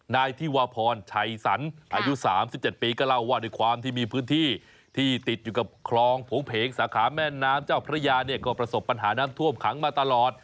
นายธิวาพรชัยสันอายุ๓๗ปีก็เล่าว่าด้วยความที่มีพื้นที่ที่ติดอยู่กับคลองโผงเพงสาขาแม่น้ำเจ้าพระยาเนี่ยก็ประสบปัญหาน้ำท่วมขังมาตลอด